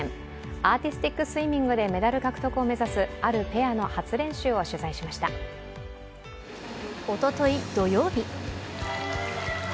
アーティスティックスイミングでメダル獲得を目指すおととい土曜日。